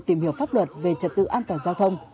tìm hiểu pháp luật về trật tự an toàn giao thông